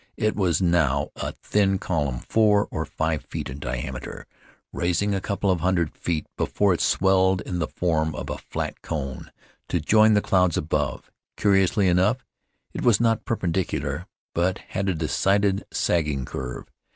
It was now a thin column, four or five feet in diameter, rising a couple of hundred feet before it swelled in the form of a flat cone, to join the clouds above. Curiously enough, it was not perpendicular, but had a decided sagging curve.